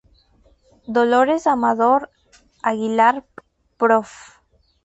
Dolores Amador Aguilar, Profr.